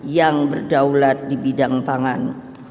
yang berdaulat di bidang pangan